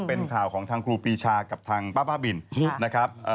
เป็นข่าวของทางครูปีชากับทางป้าบ้าบินนะครับ